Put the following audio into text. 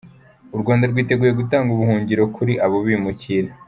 U Rwanda rwiteguye gutanga ubuhungiro kuri abo bimukira.